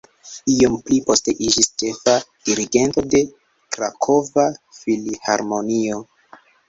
Iom pli poste iĝis ĉefa dirigento de Krakova Filharmonio.